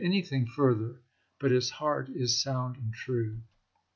anything further, but his heart is sound and true.